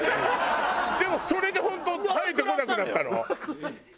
でもそれで本当生えてこなくなったの？